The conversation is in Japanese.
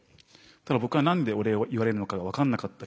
ただ僕は何でお礼を言われるのかが分かんなかった。